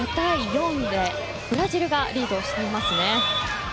ブラジルがリードしていますね。